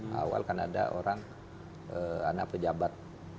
awal kan ada orang anak pejabat